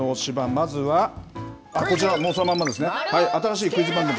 まずはこちら、もうそのままですね。